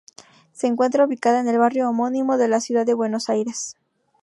Se encuentra ubicada en el barrio homónimo de la Ciudad de Buenos Aires.